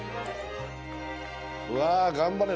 うわ頑張れ。